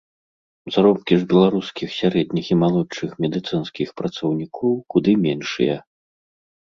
Заробкі ж беларускіх сярэдніх і малодшых медыцынскіх працаўнікоў куды меншыя.